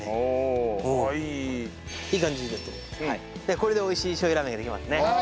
これで美味しいしょう油ラーメンができますね。